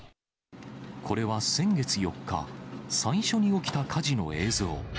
これは先月４日、最初に起きた火事の映像。